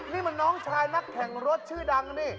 นี่มันน้องชายนักแข่งรถชื่อดังนี่